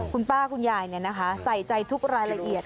คุณป้าคุณยายใส่ใจทุกรายละเอียด